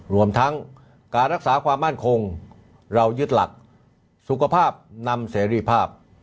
รวมทั้งการรักษาความมั่นคงเรายึดหลักสุขภาพนำเสรีภาพ